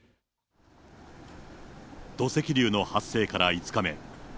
土石流の発生から５日目。